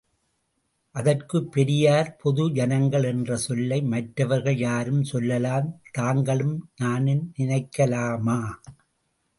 அதற்குப் பெரியார்பொது ஐனங்கள்—என்ற சொல்லை மற்றவர்கள் யாரும் சொல்லலாம் தாங்களும் நானும் நினைக்கலாமா?